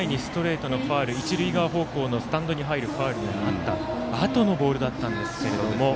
２球その前にストレートのファウル一塁側方向のスタンドに入るファウルがあったあとのボールだったんですが。